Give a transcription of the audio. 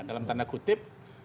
dalam tanda kutip